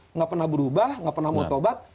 enggak pernah berubah enggak pernah motobat